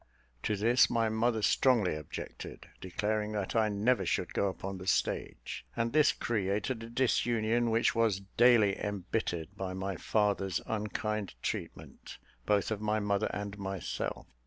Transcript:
To this my mother strongly objected, declaring that I never should go upon the stage; and this created a disunion which was daily embittered by my father's unkind treatment both of my mother and myself.